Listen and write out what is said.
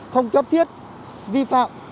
không cấp thiết vi phạm